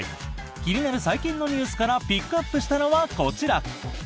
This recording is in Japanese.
気になる最近のニュースからピックアップしたのはこちら。